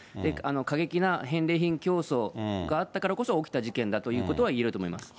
過激な返礼品競争があったからこそ、起きた事件だということはいえると思います。